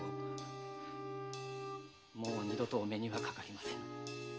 もう二度とお目にはかかりません。